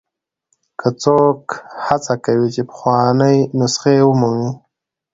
که څوک هڅه کوي چې پخوانۍ نسخې ومومي.